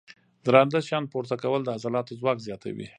درانده شیان پورته کول د عضلاتو ځواک زیاتوي.